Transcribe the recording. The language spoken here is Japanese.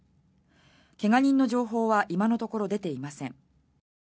怪我人の情報は今のところ出ていません。